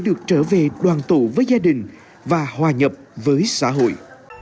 được trở về đoàn tụ với gia đình và hòa nhập với xã hội